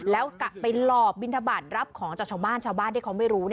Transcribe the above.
แล้วไปหลอกบินทบาทรับของจากชาวบ้านชาวบ้านที่เขาไม่รู้